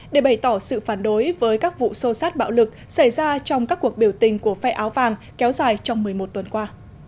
để bày tỏ sự phản đối với các vụ sô sát bạo lực xảy ra trong các cuộc biểu tình của phe áo vàng kéo dài trong một mươi một tuần qua